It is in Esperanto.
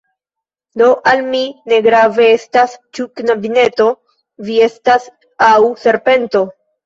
Do al mi ne grave estas ĉu knabineto vi estas aŭ serpento!